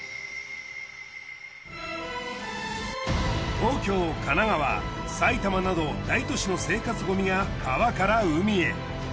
東京神奈川埼玉など大都市の生活ごみが川から海へ。